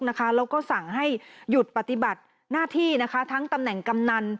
แล้วก็สั่งให้หยุดปฏิบัติหน้าที่ทั้งตำแหน่งกำนัน